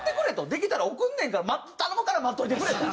できたら送んねんから頼むから待っといてくれと。